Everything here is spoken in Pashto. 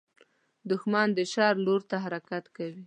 دښمن د شر لور ته حرکت کوي